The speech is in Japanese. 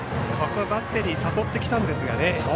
ここバッテリー誘ってきたんですがね。